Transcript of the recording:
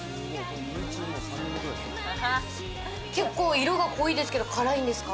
結構、色が濃いですけれども辛いんですか？